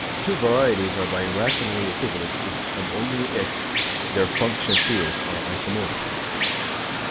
Two varieties are birationally equivalent if and only if their function fields are isomorphic.